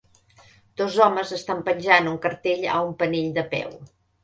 Dos homes estan penjat un cartell a un panell de peu.